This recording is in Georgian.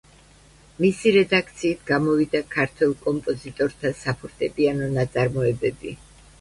მისი რედაქციით გამოვიდა ქართველ კომპოზიტორთა საფორტეპიანო ნაწარმოებები.